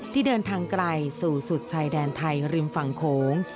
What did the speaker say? ที่เดินทางไกลสู่สุดชายแดนไทยริมฝั่งโขง